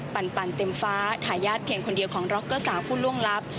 ปั่นเต็มฟ้าทายาทเพียงคนเดียวของร็อกเกอร์สาวผู้ล่วงลับ